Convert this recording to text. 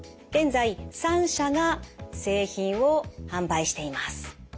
現在３社が製品を販売しています。